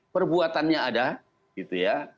perbuatannya ada gitu ya